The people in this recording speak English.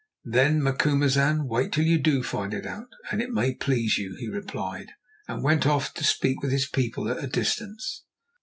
"Then, Macumazahn, wait till you do find it out, and may it please you," he replied, and went off to speak with his people at a distance.